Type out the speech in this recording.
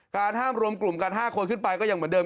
ห้ามรวมกลุ่มกัน๕คนขึ้นไปก็ยังเหมือนเดิม